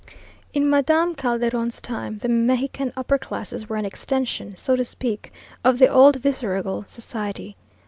In Madame Calderon's time the Mexican upper classes were an extension, so to speak, of the old viceregal society.